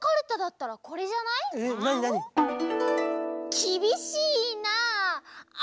「きびしいなあ。